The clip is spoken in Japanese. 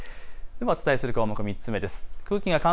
ではお伝えする項目、３つ目です。